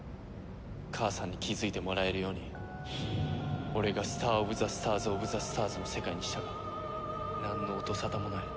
母さんに気づいてもらえるように俺がスター・オブ・ザ・スターズオブ・ザ・スターズの世界にしたがなんの音沙汰もない。